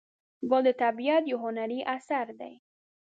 ګل د طبیعت یو هنري اثر دی.